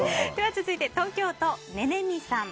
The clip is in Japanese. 続いて、東京都の方。